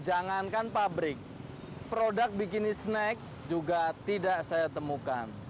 jangankan pabrik produk bikini snack juga tidak saya temukan